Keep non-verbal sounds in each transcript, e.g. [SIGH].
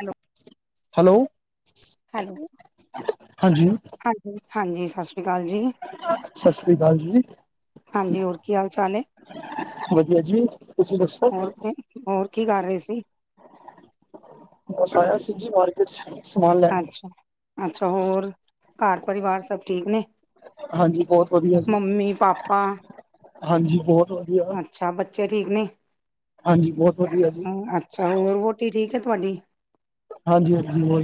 Hello, hello hello ਹਾਂਜੀ ਹਾਂਜੀ ਹਾਂਜੀ ਸਤਿ੍ਰੀ ਸੀ ਅਾਲ ਜੀ ਸਤਿ ਸ੍ਰੀ ਅਕਾਲ ਜੀ ਹਾਂਜੀ ਹੋਰ ਕੀ ਹਾਲ ਚਾਲ ਹੈ ਵਧੀਆ ਜੀ ਤੁਸੀਂ ਦੱਸੋ ਹੋਰ ਕੀ ਕਰ ਰਹੇ ਸੀ ਬ ਸਾਇਆ ਸੀ ਜੀ ਮਾਰਕੀਟ ਚ ਸਮਾਨ ਲੈਣ ਅੱਛਾ, ਅੱਛਾ ਹੋਰ ਘਰ ਪਰਿਵਾਰ ਸਭ ਠੀਕ ਨੇ ਹਾਂਜੀ ਬਹੁਤ ਵਧੀਆ ਜੀ ਮੰਮੀ, ਪਾਪਾ ਹਾਂਜੀ ਬਹੁਤ ਵਧੀਆ ਅੱਛਾ ਬੱਚੇ ਠੀਕ ਨੇ ਹਾਂਜੀ ਬਹੁਤ ਵਧੀਆ ਜੀ ਅੱਛਾ ਹੋਰ ਵੋਟੀ ਠੀਕ ਹੈ ਤੁਹਾਡੀ ਹਾਂਜੀ ਹਾਂਜੀ ਹੋ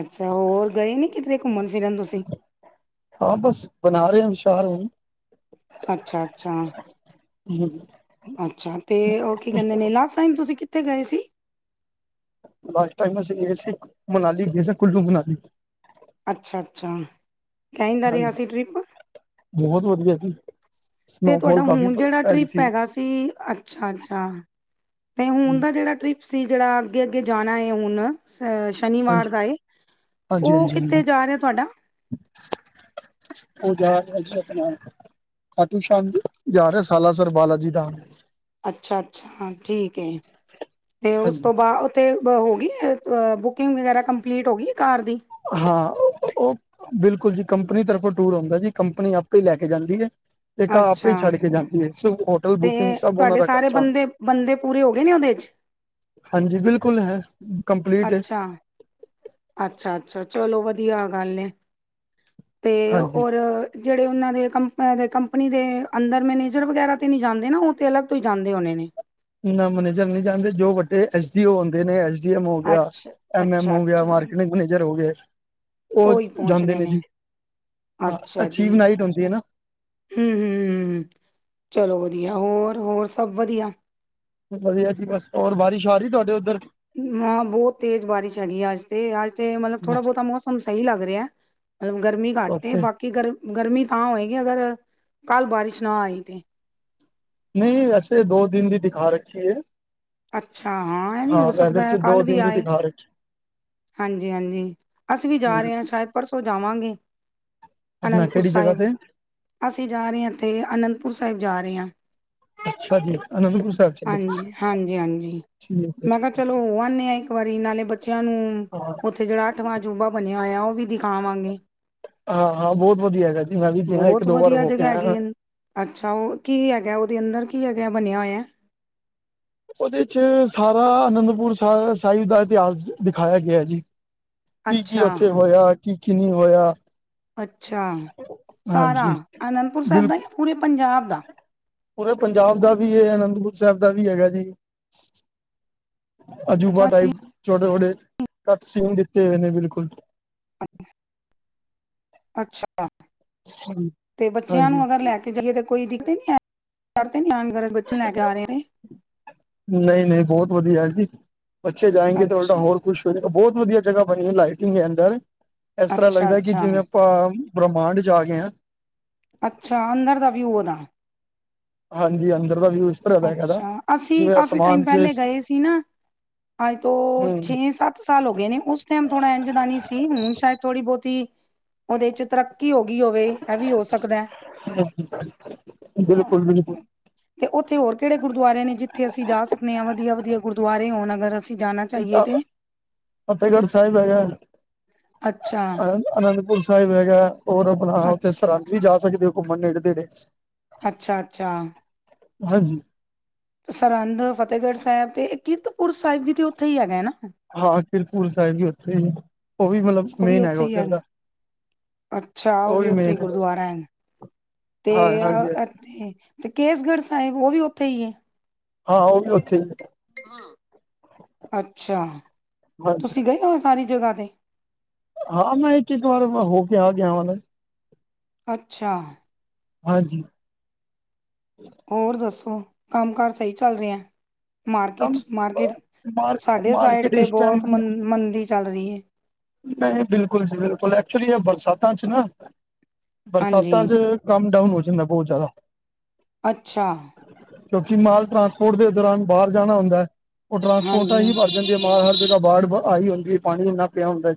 ਅੱਛਾ ਹੋਰ ਗਏ ਨੀ ਕਿਧਰੇ ਘੁੰਮਣ ਫਿਰਨ ਤੁਸੀਂ ਹਾਂ ਬਸ ਬਣਾ ਰਹੇ ਹੋ ਵਿਸ਼ ਰਹੇ [UNINTELLIGIBLE] ਅੱਛਾ ਅੱਛਾ ਅੱਛਾ ਤੇ ਉਹ ਕੀ ਕਹਿੰਦੇ ਨੇ ਲਾ ਟਾਈਮ ਤੁਸੀਂ ਕਿੱਥੇ ਗਏ ਸੀ ਲਾਸਟ ਟਾਈਮ ਮੈੇ ਗਏ ਸੀ ਮਨਾਲੀ ਗਏ ਸੀ ਕੁੱਲੂ ਮਨਾਲੀ ਅੱਛਾ ਅੱਛਾ ਕਹਿਦਾ ਰਿਹਾ ਹਾਂਜੀ ਸੀ ਟਰਿਪ ਬਹੁਤ ਵਧੀਆ ਸੀ ਤੇ ਤੁਹਾਡਾ ਹੁਣ ਜਿਹੜਾ ਟ੍ਰਿਪ ਹੈਗਾ ਸੀ ਅੱਛਾ ਅੱਛਾ ਤੇ ਹੁਣ ਦਾ ਜਿਹੜਾ ਟ੍ਰਿਪ ਸੀ ਜਿਹੜਾ ਅੱਗੇ ਅੱਗੇ ਜਾਣਾ ਹੈ ਹੁਣ ਸ਼ਨੀਵਾਰ ਹਾਂਜੀ ਦਾ ਏ ਹਾਂਜੀ ਉਹ ਹਾਂਜੀ ਕਿੱਥੇ ਹਾਂਜੀ। ਜਾ ਰਿਹਾ ਤੁਹਾਡਾ ਉਹ ਜ ਆਪਣਾ ਘਟੂ ਸ਼ ਜਾ ਰਹਾ ਸਾਲਾਸਰ ਬਾਲਾ ਜੀ ਦਾਾਨ ਅੱਛਾ ਅੱਛਾ ਠੀਕ ਤੇ ਹਾਂਜੀ ਉਸ ਤੋਂ ਬਾਅਦ ਉੱਥੇ ਹੋ ਗਈ ਬੁਕਿੰਗ ਵਗੈਰਾ ਕੰਪਲੀਟ ਹੋ ਗਈ ਹੈ ਕਾਰ ਦੀ ਹਾਂ ਬਿਲਕੁਲ ਜੀ ਕੰਪਨੀ ਤਰਫੋਂ ਟੂਰ ਆਉਂਦਾ ਜੀ ਕੰਪਨੀ ਆਪੇ ਹੀ ਲੈ ਕੇ ਜਾਂਦੀ ਹੈ ਤੇ ਘ ਆਪ ਅੱਛਾ ਹੀ ਛੱਡ ਕੇ ਜਾਂਦੀ ਹੈ ਹੋਟਲ ਤੇ ਬੁਕਿੰਗ ਸਭ ਉਹਨਾਂ ਤੁਹਾਡੇ ਦਾ ਸਾਰੇ ਖਰਚਾ ਹੁੰਦਾ। ਬੰਦੇ ਬੰਦੇ ਪੂਰੇ ਹੋ ਗਏ ਨੇ ਉਹਦੇ ਚ ਹਾਂਜੀ ਬਿਲਕੁਲ ਹੈ ਕੰਪਲੀਟ ਹੈ ਅੱਛਾ ਅੱਛਾ ਚਲੋ ਵਧੀਆ ਗੱਲ ਨੇ ਤੇ ਹਾਂਜੀ ਹੋਰ ਜਿਹੜੇ ਉਹਨਾਂ ਦੇ ਕੰਪ ਦੇ ਕੰਪਨੀ ਦੇ ਅੰਦਰ ਮੈਨੇਜਰ ਵਗੈਰਾ ਤੇ ਨਹੀਂ ਜਾਂਦੇ ਨਾ ਉਹ ਤੇ ਅਲੱਗ ਤੋਂ ਹੀ ਜਾਂਦੇ ਹੋਣੇ ਨੇ ਮੈਨੇਜਰ ਨਹੀਂ ਚਾਹੁੰਦੇ ਜੋ ਵੱਡੇ ਐਸ ਡੀ ਓ ਹੁੰਦੇ ਨੇ ਐ ਜਮ ਹੋ ਗਿਆ ਅੱਛਾ, ਐਮ ਐਮ ਹੋ ਗਿਆ ਅੱਛਾ-ਅੱਛਾ ਮਾਰਕੀਟਿੰਗ ਮੈਨੇਜਰ ਹੋ ਗਏ ਉਹੀ ਉਹ ਜਾਂਦੇ ਪਹੁੰਚਦੇ ਨੇ ਜੀ ਹਾਂ ਅਛੀਵ ਨਾਈਟ ਹੁੰਦੀ ਹੈ ਨਾ ਹਮ ਹ ਚਲੋ ਵਧੀਆ ਹੋਰ ਹੋਰ ਸਭ ਵਧੀਆ ਵਧੀਆ ਜੀ ਬਸ ਹੋਰ ਬਾਰਿਸ਼ ਆ ਰਹੀ ਤੁਹਾਡੇ ਉੱਧਰ ਹਾਂ ਬਹੁਤ ਤੇਜ਼ ਬਾਰਿਸ਼ ਹੈਗੀ ਆ ਅੱਜ ਤੇ ਅੱਜ ਤੇ ਮਤਲਬ ਥੋੜਾ ਬਹੁਤਾ ਮੌਸਮ ਸਹੀ ਲੱਗ ਰਿਹਾ ਮਤਲਬ ਗਰਮੀ ਘੱਟ ਓਕੇ ਬਾਕੀ ਗਰ ਗਰਮੀ ਤਾਂ ਹੋਏਗੀ ਅਗਰ ਕੱਲ ਬਾਰਿਸ਼ ਨਾ ਆਈ ਤੇ ਨਹੀਂ ਵੈਸੇ ਦੋ ਦਿਨ ਵੀ ਦਿਖਾ ਰੱਖੀ ਹੈ ਅੱਛਾ ਹਾਂ ਇਹ ਵੀ ਹੋ ਵੈਦਰ ਸਕਦਾ ਚ ਹੈ ਦੋ ਕੱਲ ਵੀ ਦਿਨ ਦੀ ਆਏ ਦਿਖਾ ਹਾਂਜੀ ਹਾਂਜੀ ਅਸੀਂ ਵੀ ਜਾ ਰਹੇ ਹਾਂ ਰੱਖੀ ਸ਼ਾਇਦ ਪਰਸੋਂ ਜਾਵਾਂਗੇ ਆਪਣਾ ਅਨੰਦਪੁਰ ਕਿਹੜੀ ਜਗ੍ਹਾ ਸਾਹਿਬ। ਤੇ ਅਸੀਂ ਜਾ ਰਹੇ ਆਂ ਇੱਥੇ ਅਨੰਦਪੁਰ ਸਾਹਿਬ ਜਾ ਰਹੇ ਆਂ। ਅੱਛਾ ਜੀ ਅਨੰਦਪੁਰ ਸਾਹਿਬ ਚੱਲੇ ਤੁਸੀ? ਹਾਂਜੀ, ਹਾਂਜੀ। ਮੈਂ ਕਿਹਾ ਚਲੋ ਹੋ ਆੰਨੇ ਆਂ ਇੱਕ ਵਾਰੀ ਨਾਲੇ ਬੱਚਿਆਂ ਨੂੰ, ਹਾਂ ਉੱਥੇ ਜਿਹੜਾ ਅੱਠਵਾਂ ਅਜੂਬਾ ਬਨਿਆ ਹੋਇਆ ਉਹ ਵੀ ਦਿਖਾਵਾਂਗੇ। ਹਾਂ ਹਾਂ ਬਹੁਤ ਵਧੀਆ ਹੈਗਾ ਜੀ ਮੈਂ ਵੀ ਗਿਆਂ ਇੱਕ ਬਹੁਤ ਦੋ ਵਾਰ ਵਧੀਆ ਹੋ ਕੇ ਜਗ੍ਹਾ ਆਇਆਂ। ਹੈਗੀ ਅੰ ਅੱਛਾ ਉਹ ਕੀ ਹੈਗੈ ਉਹਦੇ ਅੰਦਰ ਕੀ ਹੈਗੈ ਬਨਿਆ ਹੋਇਆ? ਉਹਦੇ ਚ ਸਾਰਾ ਅਨੰਦਪੁਰ ਸਾਹਿਬ ਦਾ ਇਤਿਹਾਸ ਦਿਖਾਇਆ ਗਿਆ ਜੀ। ਕੀ ਕੀ ਅੱਛਾ ਉੱਥੇ ਹੋਇਆ ਕੀ ਕੀ ਨਹੀਂ ਹੋਇਆ। ਅੱਛਾ। ਸਾਰਾ, ਹਾਂਜੀ ਅਨੰਦਪੁਰ ਸਾਹਿਬ ਦਾ ਬਿਲਕੁਲ ਯਾਂ ਪੂਰੇ ਪੰਜਾਬ ਦਾ? ਪੂਰੇ ਪੰਜਾਬ ਦਾ ਵੀ ਏ ਅਨੰਦਪੁਰ ਸਾਹਿਬ ਦਾ ਵੀ ਹੈਗਾ ਜੀ। ਅਜੂਬਾ ਅੱਛਾ ਜੀ ਟਾਈਪ ਛੋਟੇ ਛੋਟੇ, ਕੱਟ ਸੀਨ ਦਿੱਤੇ ਹੋਏ ਨੇ ਬਿਲਕੁੱਲ। ਅੱਛਾ, ਤੇ ਬੱਚਿਆਂ ਹਾਂਜੀ ਨੂੰ ਅਗਰ ਲੈ ਕੇ ਤੇ ਜਾਈਏ ਤਾਂ ਕੋਈ ਦਿਕੱਤ ਨੀ ਹੇ ਆ ਬੱਚੇ ਨੂੰ ਲੈ ਕੇ ਆ ਰਏ ਨੇ ਨਹੀਂ ਨਹੀਂ ਬਹੁਤ ਵਧੀਆ ਹੈਜੀ, ਬੱਚੇ ਜਾਏਂਗੇ ਤੇ ਉਲਟਾ ਅੱਛਾ ਹੋਰ ਕੁਛ ਬਹੁਤ ਵਧੀਆ ਜਗ੍ਹਾ ਬਣੀ ਲਾਈਟਿੰਗ ਹੈ ਅੰਦਰ, ਇਸ ਤਰ੍ਹਾਂ ਅੱਛਾ ਲੱਗਦਾ ਕਿ ਅੱਛਾ ਜਿਵੇਂ ਆਪਾਂ ਬ੍ਰਹਮਾਂਡ 'ਚ' ਆ ਗਏ ਆਂ। ਅੱਛਾ ਅੰਦਰ ਦਾ ਵਿਊ ਉਹਦਾ ਹਾਂਜੀ ਅੰਦਰ ਦਾ ਵਿਊ ਤਰ੍ਹਾਂ ਦਾ ਹੈਗਾ ਦਾ ਅੱਛਾ ਅਸੀਂ ਜਿਵੇਂ ਕਾਫੀ ਟਾਈਮ ਅਸਮਾਨ ਚ ਪਹਿਲੇ ਗਏ ਸੀ ਨਾ, ਅੱਜ ਤੋਂ ਹੂੰ ਛੇ ਸੱਤ ਸਾਲ ਹੋ ਗਏ ਨੇ, ਉਸ ਟਾਈਮ ਥੋੜਾ ਇੰਝ ਦਾ ਨਹੀਂ ਸੀ, ਹੁਣ ਸ਼ਾਇਦ ਥੋੜ੍ਹੀ ਬਹੁਤੀ ਉਹਦੇ ਚ ਤਰੱਕੀ ਹੋਗੀ ਹੋਵੇ, ਐ ਵੀ ਹੋ ਸਕਦੈ। ਬਿਲਕੁੱਲ- ਬਿਲਕੁੱਲ। ਤੇ ਉੱਥੇ ਹੋਰ ਕਿਹੜੇ ਗੁਰਦੁਆਰੇ ਨੇ ਜਿੱਥੇ ਅਸੀਂ ਜਾ ਸਕਨੇ ਆਂ ਵਧੀਆ ਵਧੀਆ ਗੁਰਦੁਆਰੇ ਹੋਣ ਅਗਰ ਅਸੀਂ ਜਾਣਾ ਚਾਹੀਏ ਤੇ ਫਤਿਹਗੜ੍ਹ ਸਾਹਿਬ ਹੈਗਾ ਅੱਛਾ ਅਨੰਦਪੁਰ ਸਾਹਿਬ ਹੈਗਾ ਹੋਰ ਆਪਣਾ ਉੱਥੇ ਅੱਛਾ ਸਰਹਿੰਦ ਵੀ ਜਾ ਸਕਦੇ ਹੋ ਘੁੰਮਣ ਨੇੜੇ ਤੇੜੇ। ਅੱਛਾ -ਅੱਛਾ। ਹਾਂਜੀ। ਸਰਹਿੰਦ, ਫਤਿਹਗੜ੍ਹ ਸਾਹਿਬ ਤੇ ਇਹ ਕੀਰਤਪੁਰ ਸਾਹਿਬ ਵੀ ਤੇ ਉੱਥੇ ਹੀ ਹੈਗੈ ਨਾ? ਹਾਂ ਕੀਰਤਪੂਰ ਸਾਹਿਬ ਵੀ ਉੱਥੇ ਹੀ ਏ, ਉਹ ਵੀ ਮੱਤਲਬ ਉਹ ਵੀ ਮੇਨ ਹੈਗਾ ਉੱਥੇ ਹੀ ਉੱਧਰ ਦਾ। ਅੱਛਾ ਉਹ ਵੀ ਉੱਥੇ ਗੁਰਦੁਆਰਾ ਹੈ, ਤੇ ਹਾਂ ਆ ਹਾਂਜੀ ਹਾਂਜੀ ਇਥੇ ਅਤੇ ਕੇਸਗੜ੍ਹ ਸਾਹਿਬ ਉਹ ਵੀ ਉੱਥੇ ਈ ਏ? ਹਾਂ ਉਹ ਵੀ ਉੱਥੇ ਹੀ ਅੱਛਾ, ਹਾਂਜੀ ਤੁਸੀ ਗਏ ਹੋਏ ਸਾਰੀ ਜਗ੍ਹਾ ਤੇ? ਹਾਂ ਮੈਂ ਇੱਕ-ਇੱਕ ਵਾਰ ਹੋ ਕੇ ਆ ਗਿਆ ਵਾਂ ਨਾ। ਅੱਛਾ। ਹਾਂਜੀ। ਹੋਰ ਦੱਸੋ, ਕੰਮ ਕਾਰ ਸਈ ਚੱਲ ਰਿਐਂ? ਕੰਮ ਮਾਰਕੀਟ-ਮਾਰਕੀਟ, ਮਾਰ ਸਾਡੇ ਸਾਈਡ ਮਾਰਕੀਟ ਤੇ ਇਸ ਬਹੁਤ ਮ ਟਾਈਮ ਮੰਦੀ ਚੱਲ ਰਹੀ ਏ। ਨਹੀਂ ਬਿਲਕੁਲ ਜੀ ਬਿਲਕੁਲ ਐਕਚੁਲੀ ਐ ਬਰਸਾਤਾਂ ਚ ਨਾ, ਹਾਂਜੀ ਬਰਸਾਤਾਂ ਚ ਕੰਮ ਡਾਊਨ ਹੋ ਜਾਂਦਾ ਬਹੁੱਤ ਜ਼ਿਆਦਾ। ਅੱਛਾ। ਕਿਉਂਕਿ ਮਾਲ ਟਰਾਂਸਪੋਰਟ ਦੇ ਦੌਰਾਨ ਬਾਹਰ ਜਾਣਾ ਹੁੰਦੈ, ਉਹ ਟਰਾਂਸਪੋਰਟਾਂ ਹਾਂਜੀ ਹੀ ਭਰ ਜਾਂਦੀਆਂ ਹਰ ਜਗ੍ਹਾ ਬਾੜ ਬ ਆਈ ਹੁੰਦੀਏ ਪਾਣੀ ਇੰਨਾ ਹੁੰਦਾ,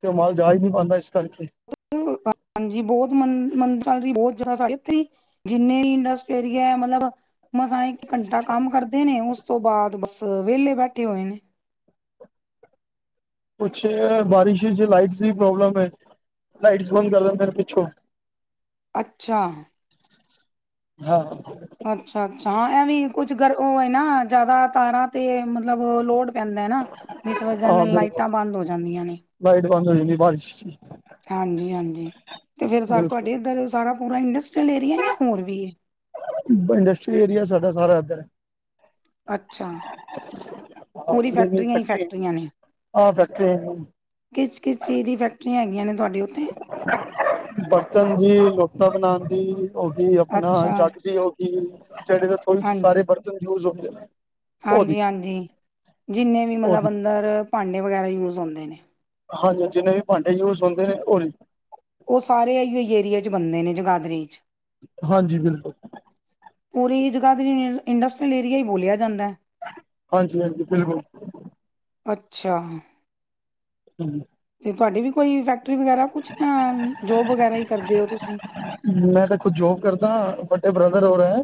ਤੇ ਮਾਲ ਜਾ ਹੀ ਨਹੀ ਪਾਂਦਾ ਇਸ ਕਰਕੇ। ਹਾਂਜੀ ਬਹੁਤ ਮੰਦ ਮੰਦਾ ਚੱਲ ਰਹੀ ਬਹੁੱਤ ਜ਼ਿਆਦਾ ਸਾੜੇ ਉਥੇਈ ਜਿੰਨੇ ਵੀ ਇੰਡਸਟੇਰੀਆ ਮੱਤਲਬ ਮਸਾਂ ਇੱਕ ਘੰਟਾ ਕੰਮ ਕਰਦੇ ਨੇ, ਉਸ ਤੋਂ ਬਾਅਦ ਬੱਸ ਵਿਹਲੇ ਬੈਠੇ ਹੋਏ ਨੇ। ਕੁੱਛ ਬਾਰਿਸ਼ ਚ ਲਾਈਟਸ ਦੀ ਪ੍ਰੋਬਲਮ ਏਂ। ਲਾਈਟਸ ਬੰਦ ਕਰ ਦਿੰਦੇ ਨੇ ਪਿੱਛੋਂ। ਅੱਛਾ ਹਾਂ ਅੱਛਾ ਅੱਛਾ ਹਾਂ ਐ ਵੀ ਕੁੱਝ ਗਰ ਉਹ ਹੈ ਨਾ ਜ਼ਿਆਦਾ ਤਾਰਾਂ ਤੇ ਮਤਲਬ ਲੋੜ ਪੈਂਦਾ ਹੈ ਨਾ ਜਿਸ ਵਜ੍ਹਾ ਹਾਂ ਨਾਲ ਬਿਲਕੁਲ ਲਾਈਟਾਂ ਬੰਦ ਹੋ ਜਾਂਦੀਆਂ ਨੇ ਲਾਈਟ ਬੰਦ ਹੋ ਜਾਂਦੀ ਬਾਰਿਸ਼ ਹਾਂਜੀ ਹਾਂਜੀ ਤੇ ਫਿਰ ਬਿਲਕੁਲ ਤੁਹਾਡੇ ਇੱਧਰ ਸਾਰਾ ਪੂਰਾ ਇੰਡਸਟਰੀਅਲ ਏਰੀਆ ਜਾਂ ਹੋਰ ਵੀ ਇੰਡਸਟਰੀਲ ਏਰੀਆ ਹੈਗਾ ਸਾਰਾ ਇੱਧਰ ਹੈ ਅੱਛਾ ਹਾਂ ਪੂਰੀ ਫੈਕਟਰੀਆਂ ਹੀ ਫੈਕਟਰੀ ਫੈਕਟਰੀਆਂ ਨੇ ਹਾਂ ਫੈਕਟਰੀ ਕਿਸ ਕਿਸ ਚੀਜ਼ ਦੀ ਫੈਕਟਰੀਆਂ ਹੈਗੀਆਂ ਨੇ ਤੁਹਾਡੇ ਉੱਥੇ ਬਰਤਨ ਦੀ ਲੋਟਾ ਬਣਾਉਣ ਦੀ ਹੋਗੀ ਆਪਣਾ ਅੱਛਾ ਜਗ ਵੀ ਹੋਗੀ ਜਿਹੜੇ ਥੋੜ੍ਹੀ ਹਾਂਜੀ ਸਾਰੇ ਬਰਤਨ ਯੂਜ ਹੁੰਦੇ ਉਹਦੀ ਹਾਂਜੀ ਹਾਂਜੀ ਜਿੰਨੇ ਵੀ ਮਤਲਬ ਉਹਦੀ ਅੰਦਰ ਭਾਂਡੇ ਵਗੈਰਾ ਯੂਜ ਹੁੰਦੇ ਨੇ ਹਾਂਜੀ ਜਿੰਨੇ ਵੀ ਭਾਂਡੇ ਯੂਜ ਹੁੰਦੇ ਨੇ ਉ ਉਹ ਸਾਰੇ ਅਈਓਈ ਏਰੀਏ ਚ ਬੰਦੇ ਨੇ ਜਗਾਦਰੀ ਚ ਹਾਂਜੀ ਬਿਲਕੁਲ ਪੂਰੇ ਜਗ੍ਹਾ ਤੇ ਇੰਡਸਟਰੀਅਲ ਏਰੀਆ ਹੀ ਬੋਲਿਆ ਜਾਂਦਾ ਹੈ ਹਾਂਜੀ ਹਾਂਜੀ ਬਿਲਕੁਲ ਅੱਛਾ ਹਮ ਤੇ ਤੁਹਾਡੀ ਵੀ ਕੋਈ ਫੈਕਟਰੀ ਵਗੈਰਾ ਕੁਛ ਜਾਂ ਜੋਬ ਵਗੈਰਾ ਹੀ ਕਰਦੇ ਹੋ ਤੁਸੀਂ ਮੈਂ ਤਾਂ ਖੁਦ ਜੋਬ ਕਰਦਾ ਫੱਟੇ ਬ੍ਰਦਰ ਹੋ ਰਹੇ ਹੈ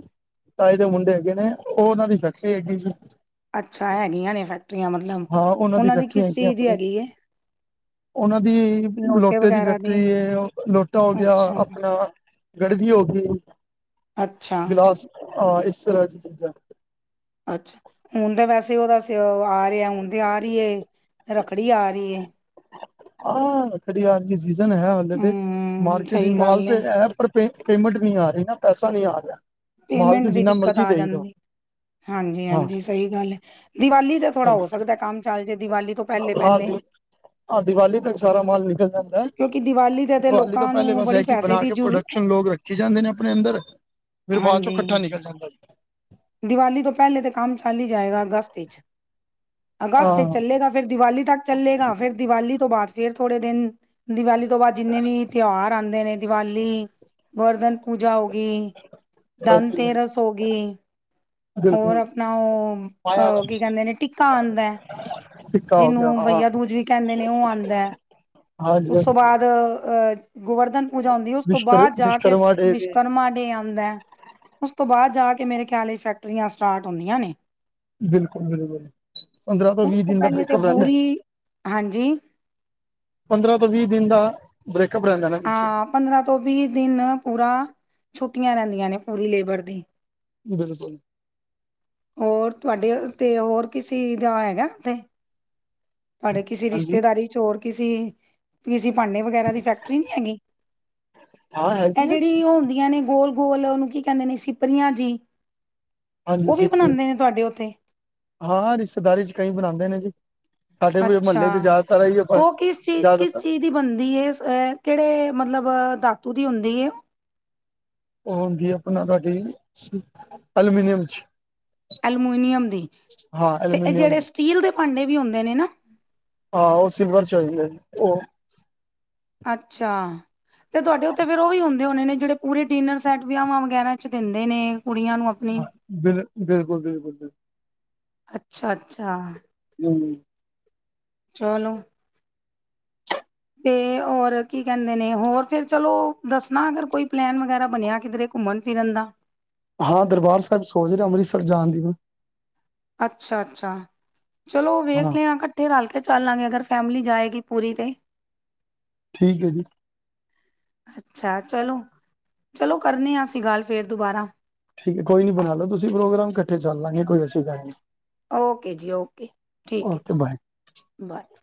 ਤਾਈ ਦੇ ਮੁੰਡੇ ਹੈਗੇ ਨੇ ਉਹ ਉਹਨਾਂ ਦੀ ਫੈਕਟਰੀ ਹੈਗੀ ਸੀ ਅੱਛਾ ਹੈਗੀਆਂ ਨੇ ਫੈਕਟਰੀਆਂ ਮਤਲਬ ਉਹਨਾਂ ਦੀ ਕਿਸ ਚੀਜ਼ ਦੀ ਹੈਗੀ ਹੈ ਉਹਨਾਂ ਦੀ ਲੋਟੇ ਦੀ ਫੈਕਟਰੀ ਲੋਟਾ ਹੋ ਗਿਆ ਅੱਛਾ, ਆਪਣਾ ਗੜੀ ਹੋ ਗਈ ਅੱਛਾ, ਗਿਲਾਸ ਹਾਂ ਇਸ ਤਰ੍ਹਾਂ ਦੀ ਚੀਜ਼ਾਂ ਅੱਛਾ ਹੁਣ ਤਾਂ ਵੈਸੇ ਉਹਓਦਾ ਆ ਰਿਹਾ ਹੁਣ ਤੇ ਆ ਰਹੀ ਰੱਖੜੀ ਆ ਰਹੀ ਹੈ ਹਾਂ ਘੜੀਆਾਲਲੀ ਸੀਜਨ ਹੈ ਹਲੇ ਤੇ ਹੂੰ ਮਾਰਕੀਟ ਦੀ ਸਹੀ ਮਾਲ ਗੱਲ ਏ ਤੇ ਹੈ ਪਰ ਪੇਮੈਂਟ ਨਹੀਂੀ ਆ ਰਹੀ ਨਾ ਪੈਸਾ ਨਹੀਂੀ ਆ ਰਿਹਾ ਮਾਲ ਤੇ ਪੇਮੈਂਟ ਦੀ ਜਿੰਨਾ ਦਿੱਕਤ ਮਰਜ਼ੀ ਆ ਦੇਈ ਦੋ ਜਾਂਦੀ ਹਾਂਜੀ ਹਾਂ ਹਾਂਜੀ ਸਹੀ ਗੱਲ ਹੈ ਦੀਵਾਲੀ ਦਾ ਥੋੜਾ ਹੋ ਸਕਦਾ ਕੰਮ ਚੱਲ ਜੇ ਦੀਵਾਲੀ ਤੋਂ ਪਹਿਲੇ ਹਾਂ ਪਹਿਲੇ ਦੀ ਹਾਂ ਦੀਵਾਲੀ ਤੱਕ ਸਾਰਾ ਮਾਲ ਨਿਕਲ ਜਾਦਾ ਕਿਉਂਕਿ ਤੇ ਤੇ ਦੀਵਾਲੀ ਤੋਂ ਲੋਕਾਂ ਪਹਿਲੇ ਨੂੰ ਬਸ ਬੜੀ ਇਹ ਕਿ ਪੈਸੇ ਬਣਾ ਦੀ ਕੇ ਜ਼ਰੂ ਪ੍ਰੋਡਕਸ਼ਨ ਲੋਕ ਰੱਖੀ ਜਾਂਦੇ ਨੇ ਆਪਣੇ ਅੰਦਰ ਫਿਰ ਬਾਅਦ ਚੋਂ ਹਾਂਜੀ ਇਕੱਠਾ ਨਿਕਲਦਾ ਦੀਵਾਲੀ ਤੋਂ ਪਹਿਲੇ ਤਾਂ ਕੰਮ ਚੱਲ ਹੀ ਜਾਏਗਾ ਅਗਸਤ ਵਿੱਚ ਅਗਸਤ ਵਿੱਚ ਹਾਂ ਚੱਲੇਗਾ ਫਿਰ ਦੀਵਾਲੀ ਤੱਕ ਚੱਲੇਗਾ ਫੇਿਰ ਦੀਵਾਲੀ ਤੋਂ ਬਾਅਦ ਫੇਿਰ ਥੋੜੇ ਦਿਨ ਦੀਵਾਲੀ ਤੋਂ ਬਾਅਦ ਜਿੰਨੇ ਵੀ ਤਿਉਹਾਰ ਆਉਂਦੇ ਨੇ ਦੀਵਾਲੀ ਗੋਰਧਨ ਪੂਜਾ ਹੋ ਗਈ ਧਨ ਤੇਰਸ ਹੋ ਗਈ ਹੋਰ ਬਿਲਕੁਲ ਆਪਣਾ ਉਹ ਕੀ ਕਹਿੰਦੇ ਨੇ ਟਿੱਕਾ ਆਉਂਦਾ ਟਿੱਕਾ ਹੋ ਗਿਆ ਜਿਹਨੂੰ ਹਾਂ ਬਹੀਆ ਦੂਜ ਵੀ ਕਹਿੰਦੇ ਨੇ ਉਹ ਆਉਂਦਾ ਹੈ ਹਾਂਜੀ ਉਸ ਤੋਂ ਬਾਅਦ ਅਹ ਗੋਵਰਧਨ ਪੂਜਾਉਂਦੀ ਉਸ ਤੋਂ ਵਿਸ਼ਕਰ ਬਾਅਦ ਜਾ ਕੇ ਵਿਸ਼ਕਰਮਾ ਡੇ ਵੀ ਵਿਸ਼ਕਰਮਾ ਡੇ ਆਉਂਦਾ ਹੈ ਉਸ ਤੋਂ ਬਾਅਦ ਜਾ ਕੇ ਮੇਰੇ ਖਿਆਲ ਲਈ ਫੈਕਟਰੀਆਂ ਸਟਾਰਟ ਹੁੰਦੀਆਂ ਨੇ ਬਿਲਕੁਲ ਬਿਲਕੁਲ ਪੰਦਰਾਂ ਤੋਂ ਉਸ ਵੀਹ ਦਿਨ ਦਾ ਪਹਿਲੇ ਤੇ ਬ੍ਰੇਕਅੱਪ ਰਹਿੰਦਾ ਪੂਰੀ ਹਾਂਜੀ ਪੰਦਰਾਂ ਤੋਂ ਵੀਹ ਦਿਨ ਦਾ ਬ੍ਰੇਕਅਪ ਰਹਦਾ ਪਛੇ ਹਾਂ ਪੰਦਰਾਂ ਤੋਂ ਵੀਹ ਦਿਨ ਪੂਰਾ ਛੁੱਟੀਆਂ ਰਹਿੰਦੀਆਂ ਨੇ ਪੂਰੀ ਲੇਬਰ ਦੀ ਬਿਲਕੁਲ ਹੋਰ ਤੁਹਾਡੇ ਤੇ ਹੋਰ ਕਿਸੇ ਦਾ ਹੈਗਾ ਤੇ ਭੇ ਕਿਸੇ ਹਾਂਜੀ ਰਿਸ਼ਤੇਦਾਰੀ ਚ ਹੋਰ ਕਿਸੇ ਸੀ ਭਾਂਡੇ ਵਗੈਰਾ ਦੀ ਫੈਕਟਰੀ ਨੀ ਹੈਗੀ ਹਾਂ ਇਹ ਹੈਗੀ ਹੈ ਜਿਹੜੀ ਉਹ ਹੁੰਦੀਆਂ ਨੇ ਗੋਲ ਗੋਲ ਉਹਨੂੰ ਕੀ ਕਹਿੰਦੇ ਨੇ ਸਿਪਰੀਆਂ ਜੀ ਹਾਂਜੀ ਉਹ ਵੀ ਸਿੱਖੀ ਬਣਾਉਂਦੇ ਨੇ ਤੁਹਾਡੇ ਉੱਥੇ ਹਾਂ, ਰਿਸ਼ਤੇਦਾਰੀ ਚ ਕਈ ਬਣਾਂਦੇ ਨੇ ਜੀ ਸਾਡੇ ਵੀ ਅੱਛਾ ਮਹੱਲੇ ਚ ਜ਼ਿਆਦਾਤਰ ਆਈਏ, ਉਹ [UNINTELLIGIBLE] ਕਿਸ ਚੀਜ਼ ਕਿਸ ਜ਼ਿਆਦਾਤਰ ਚੀਜ਼ ਦੀ ਬੰਦੀ ਏ, ਕਿਹੜੇ ਮਤਲਬ ਧਾਤੂ ਦੀ ਹੁੰਦੀ ਏ? ਉਹ ਹੁੰਦੀ ਅਪਣਾ, ਤੁਹਾਡੀ ਐਲਮੀਨੀਅਮ ਚ ਅਲਮੀਨੀਅਮ ਦੀ, ਹਾਂ ਤੇ ਇਹ ਐਲੂਮੀਨੀਅਮ ਜਿਹੜੇ ਦੀ, ਸਟੀਲ ਦੇ ਭਾਂਡੇ ਵੀ ਹੁੰਦੇ ਨੇ ਨਾ। ਆਹੋ, ਸਿਲਵਰ ਚ ਆਦੇ ਜੀ ਉਹ ਅੱਛਾ, ਤੇ ਤੁਹਾਡੇ ਉੱਤੇ ਫੇਰ ਉਹ ਵੀ ਹੁੰਦਾ। ਹੁੰਦੇ ਹੋਣੇ ਨੇ ਜਿਹੜੇ ਪੂਰੇ ਡਿਨਰ ਸੈਟ ਵਿਆਹਵਾਂ ਵਗੈਰਾ ਚ ਦਿੰਦੇ ਨੇ, ਕੁੜੀਆਂ ਨੂੰ। ਆਪਣੀ ਹਾਂ, ਬਿਲ ਬਿਲਕੁਲ ਬਿਲਕੁਲ ਬਿਲਕੁਲ ਅੱਛਾ ਅੱਛਾ [UNINTELLIGIBLE] ਚਲੋ ਤੇ ਹੋਰ ਕੀ ਕਹਿੰਦੇ ਨੇ, ਹੋਰ ਫੇਰ ਚਲੋ ਦੱਸਣਾ ਅਗਰ ਕੋਈ ਪਲੈਨ ਵਗੈਰਾ ਬਣਿਆ ਕਿਧਰੇ ਘੁੰਮਨ ਫਿਰਨ ਦਾ ਹਾਂ ਦਰਬਾਰ ਸਾਹਿਬ ਸੋਚ ਰੇਹਾ ਅੰਮ੍ਰਿਤਸਰ ਜਾਣ ਦੀ ਅੱਛਾ ਅੱਛਾ, ਚਲੋ ਹਾਂ ਵੇਖਨੇ ਆ ਤੇ ਰਲ ਕੇ ਚੱਲਾਂਗੇ, ਅਗਰ ਫੈਮਿਲੀ ਜਾਏਗੀ ਪੂਰੀ ਤੇ ਠੀਕ, ਹੈ ਜੀ ਅੱਛਾ ਚਲੋ, ਚਲੋ ਕਰਨੇ ਹਾਂ ਅਸੀਂ ਗੱਲ ਫੇਰ ਦੁਬਾਰਾ ਠੀਕ ਹੈ ਕੋਈ ਨੀ ਬਣਾ ਲ ਲੋ ਤੁਸੀਂ ਪ੍ਰੋਗਰਾਮ, ਇਕੱਠੇ ਚੱਲ ਲਾਂਗੇ ਕੋਈ ਐਸੀ ਗੱਲ ਨੀ ਓਕੇ ਜੀ ਓਕੇ, ਠੀਕ ਹੈ ਜੀ, ਓਕੇ ਬਾਏ ਬਾਏ